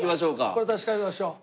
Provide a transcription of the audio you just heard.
これ確かめましょう。